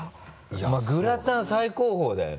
まぁグラタン最高峰だよね。